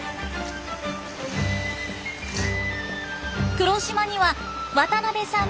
黒島には渡邊さん